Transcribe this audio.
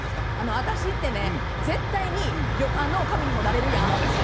私ってね絶対に旅館の女将にもなれるやん？